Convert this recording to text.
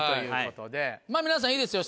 皆さんいいですよ